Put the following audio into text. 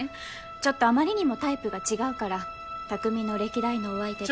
ちょっとあまりにもタイプが違うから匠の歴代のお相手と。